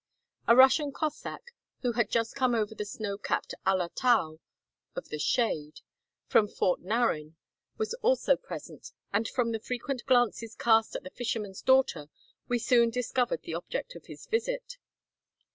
A Russian Cossack, who had just come over the snow capped Ala Tau, "of the Shade," from Fort Narin, was also present, and from the frequent glances cast at the fisherman's daughter we soon discovered the object of his visit.